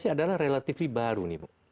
adalah relatif baru